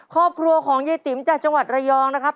ครอบครัวของยายติ๋มจากจังหวัดระยองนะครับ